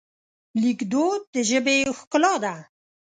لیکدود د ژبې ښکلا ده.